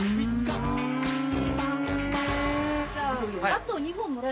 あと２本。